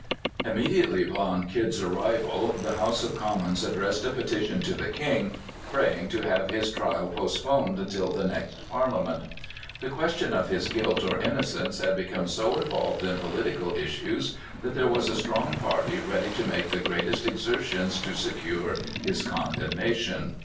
Immediately upon Kidd's arrival, the House of Commons addressed a petition to the king, praying to have his trial postponed until the next Parliament. The question of his guilt or innocence had become so involved in political issues, that there was a strong party ready to make the greatest exertions to secure his condemnation.